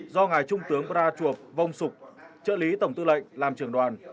do ngài trung tướng pra chuộc vông sục chợ lý tổng tư lệnh làm trưởng đoàn